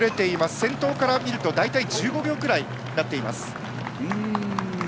先頭から見ると大体１５秒くらいなってます。